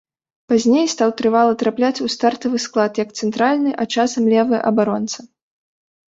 Пазней стаў трывала трапляць у стартавы склад як цэнтральны, а часам левы абаронца.